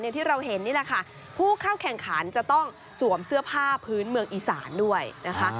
ที่เราเห็นนี่แหละค่ะผู้เข้าแข่งขันจะต้องสวมเสื้อผ้าพื้นเมืองอีสานด้วยนะคะ